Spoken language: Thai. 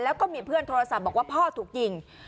แล้วก็มีเพื่อนโทรศัพท์บอกว่าพ่อถูกยิง